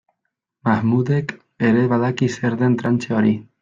Mahmudek ere badaki zer den trantze hori.